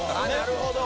なるほど！